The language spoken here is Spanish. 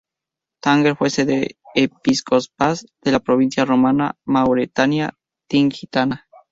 Tánger fue sede episcopal de la provincia romana Mauretania Tingitana.